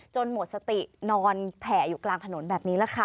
หมดสตินอนแผ่อยู่กลางถนนแบบนี้แหละค่ะ